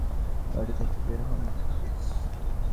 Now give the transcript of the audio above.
গাড়ি থেকে বের হন!